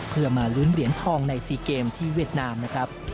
เพื่อมาลุ้นเหรียญทองใน๔เกมที่เวียดนามนะครับ